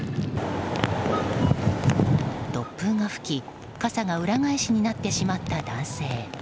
突風が吹き傘が裏返しになってしまった男性。